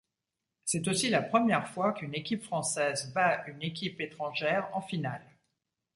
C'est aussi la première fois qu'une équipe française bat une équipe étrangère en finale.